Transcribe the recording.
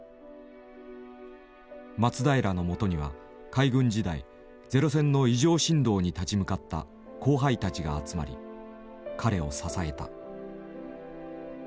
松平のもとには海軍時代ゼロ戦の異常振動に立ち向かった後輩たちが集まり彼を支えた。